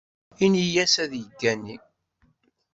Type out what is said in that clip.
Ini-as ad yeggani.